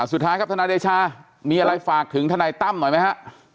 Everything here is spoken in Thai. สุดท้ายครับทนายเดชามีอะไรฝากถึงทนายตั้มหน่อยไหมฮะ